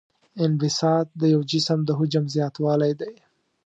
انبساط د یو جسم د حجم زیاتوالی دی.